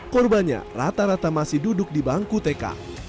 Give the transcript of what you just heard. korbannya rata rata masih duduk di bangku tk